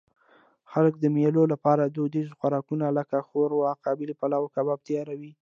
خلک د مېلو له پاره دودیز خوراکونه؛ لکه ښوروا، قابلي پلو، او کباب تیاروي.